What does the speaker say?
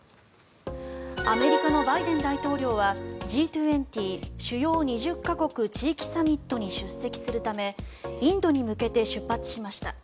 アメリカのバイデン大統領はＧ２０＝主要２０か国・地域サミットに出席するためインドに向けて出発しました。